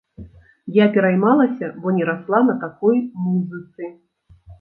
Я пераймалася, бо не расла на такой музыцы.